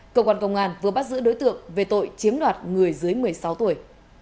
cơ quan công an vừa bắt giữ đối tượng về tội chiếm đoạt người dưới một mươi sáu tuổi